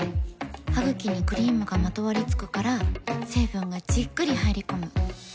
ハグキにクリームがまとわりつくから成分がじっくり入り込む。